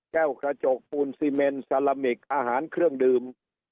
แก้วกระจกปูนซีเมนซาลามิกอาหารเครื่องดื่ม